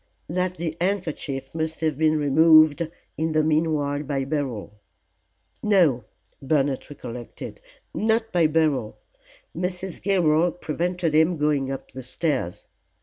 "That the handkerchief must have been removed in the meanwhile by Beryl. No," Bernard recollected, "not by Beryl; Mrs. Gilroy prevented him going up the stairs.